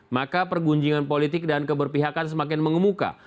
maka pergunjingan politik dan keberpihakan semakin mengemuka